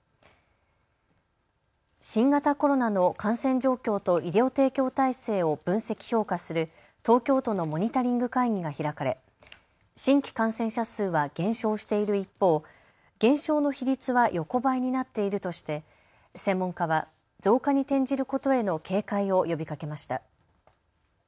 新型コロナの感染状況と医療提供体制を分析・評価する東京都のモニタリング会議が開かれ新規感染者数は減少している一方、減少の比率は横ばいになっているとして専門家は増加に転じることへの警戒を呼びかけました。